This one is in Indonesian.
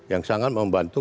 yang sangat membantu